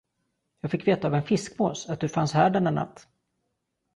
Jag fick veta av en fiskmås, att du fanns här denna natt.